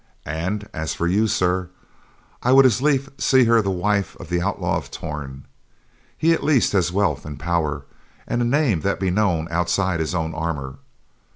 And as for you, sir, I would as lief see her the wife of the Outlaw of Torn. He, at least, has wealth and power, and a name that be known outside his own armor.